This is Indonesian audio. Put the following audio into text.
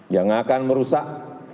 yang akan merusak